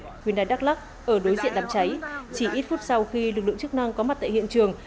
hyundai đắk lắc ở đối diện đám cháy chỉ ít phút sau khi lực lượng chức năng có mặt tại hiện trường